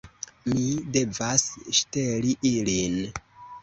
Mi devas ŝteli ilin